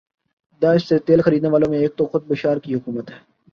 داعش سے تیل خرینے والوں میں ایک تو خود بشار کی حکومت ہے